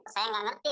saya tidak mengerti